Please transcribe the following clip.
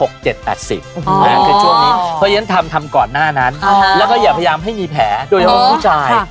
คือช่วงนี้เพราะฉะนั้นทำก่อนหน้านั้นแล้วก็อย่าพยายามให้มีแผลโดยเฉพาะผู้ชาย